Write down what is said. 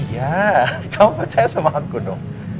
nanti kapan kalau mau kita ketemu sama kamarnya